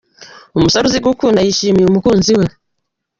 Umusore uzi gukunda yishimira umukunzi we.